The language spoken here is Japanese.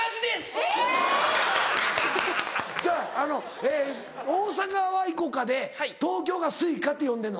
えぇ⁉ちゃうあの大阪はＩＣＯＣＡで東京がＳｕｉｃａって呼んでるの？